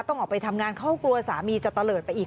ต้องออกไปทำงานเขากลัวสามีจะตะเลิศไปอีก